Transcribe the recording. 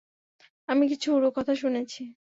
আমি কিছু উড়ো কথা শুনেছি।